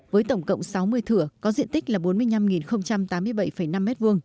với tổng cộng sáu mươi thửa có diện tích là bốn mươi năm tám mươi bảy năm m hai